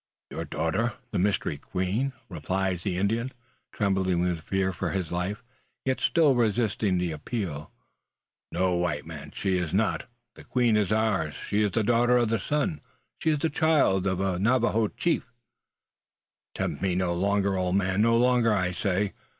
"Your daughter! the Mystery Queen!" replies the Indian, trembling with fear for his life, yet still resisting the appeal. "No, white man; she is not. The queen is ours. She is the daughter of the Sun. She is the child of a Navajo chief." "Tempt me no longer, old man! No longer, I say.